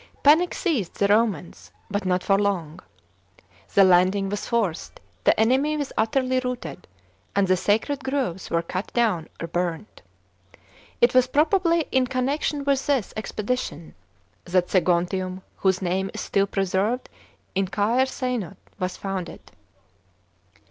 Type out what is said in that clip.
Panic seized the llomaus, but not for long. The landing, was f rced, the enemy was utterly routed, and the sacred groves were cut down or burnt. It was probably in connection with this expedition that Segontium, whose name is still preserved in Caer Seiont, was founded.